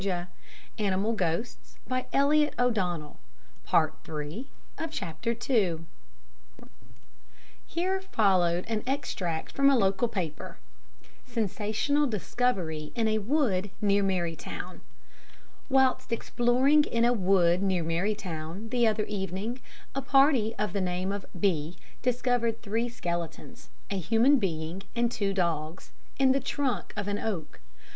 I did so. The tree was hollow, and inside it were three skeletons! Here followed an extract from a local paper: "Sensational Discovery in a Wood near Marytown "Whilst exploring in a wood, near Marytown, the other evening, a party of the name of B discovered three skeletons a human being and two dogs in the trunk of an oak.